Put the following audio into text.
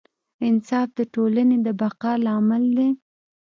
انصاف د ټولنې د بقا لامل دی.